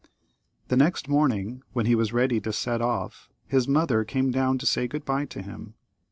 The next morning, when he was ready to set off, his mother came down to say good bye to him.